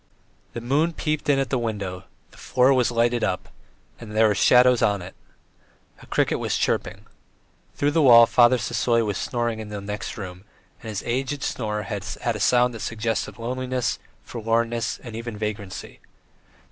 The moon peeped in at the window, the floor was lighted up, and there were shadows on it. A cricket was chirping. Through the wall Father Sisoy was snoring in the next room, and his aged snore had a sound that suggested loneliness, forlornness, even vagrancy.